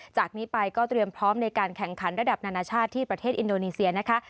จากนี้ไปก็เตรียมพร้อมในการแข่งขันระดับนานาชาติที่ประเทศอินโดนีเซียนะคะ